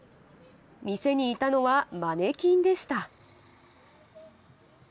店にいたのはマネキンでした。